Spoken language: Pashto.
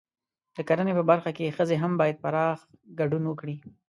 د کرنې په برخه کې ښځې هم باید پراخ ګډون وکړي.